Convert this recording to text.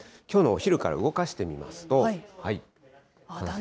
きょうのお昼から動かしてみますと。